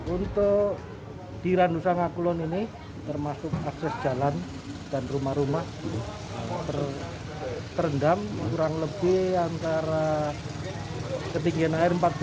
untuk di randusangakulon ini termasuk akses jalan dan rumah rumah terendam kurang lebih antara ketinggian air empat puluh sampai dengan tujuh puluh cm